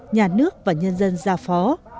nhà nước và nhân dân gia phó